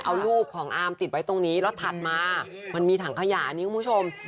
เอารูปของอาร์มติดไว้ตรงนี้แล้วถัดมามันมีถังขยะอันนี้คุณผู้ชม